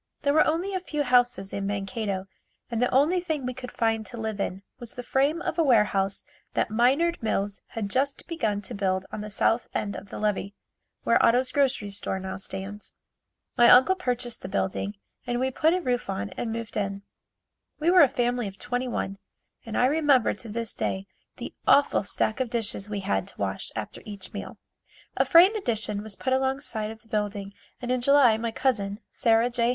There were only a few houses in Mankato and the only thing we could find to live in was the frame of a warehouse that Minard Mills had just begun to build on the south end of the levee, where Otto's grocery store now stands. My uncle purchased the building and we put a roof on and moved in. We were a family of twenty one and I remember to this day the awful stack of dishes we had to wash after each meal. A frame addition was put along side of the building and in July my cousin, Sarah J.